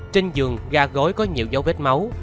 trên giường gà gối có nhiều dấu vết máu